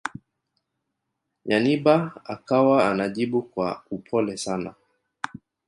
Nyanibah akawa anajibu kwa upole sana